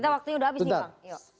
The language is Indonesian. kita waktunya sudah habis nih pak